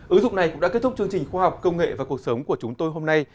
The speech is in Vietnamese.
ứng dụng này cũng đã kết thúc chương trình khoa học công nghệ và cuộc sống của chúng tôi hôm nay